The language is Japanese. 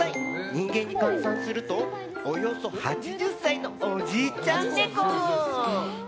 人間に換算するとおよそ８０歳のおじいちゃんネコ。